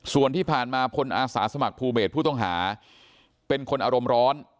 ส่วนที่ผ่านมาพลอาสาสมัครภูเบศผู้ต้องหาเป็นคนอารมณ์ร้อน